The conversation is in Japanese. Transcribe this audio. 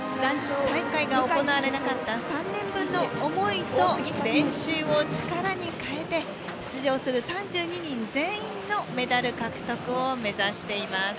大会が行われなかった３年分の思いと練習を力に変えて出場する３２人全員のメダル獲得を目指しています。